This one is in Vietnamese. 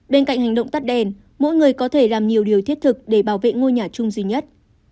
bên cạnh hành động tắt đèn mỗi người có thể làm nhiều điều thiết thực để bảo vệ ngôi nhà chung duy nhất